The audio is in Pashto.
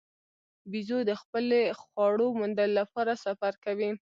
بیزو د خپلې خواړو موندلو لپاره سفر کوي.